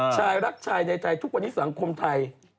ชายรักชายในใจทุกคนที่สังคมไทย